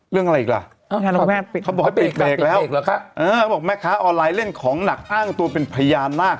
เรื่องอะไรอีกละอ๋อปีกเพรกแล้วบอกแม่คะออนไลน์เล่นของหนักอ้างตัวเป็นพยามาก